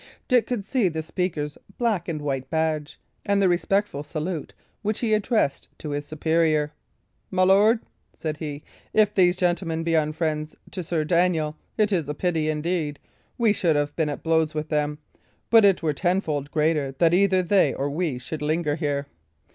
Dick could see the speaker's black and white badge, and the respectful salute which he addressed to his superior. "My lord," said he, "if these gentlemen be unfriends to Sir Daniel, it is pity, indeed, we should have been at blows with them; but it were tenfold greater that either they or we should linger here.